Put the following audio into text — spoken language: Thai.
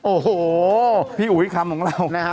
โอ้โหพี่อุ๋ยคำของเรานะฮะ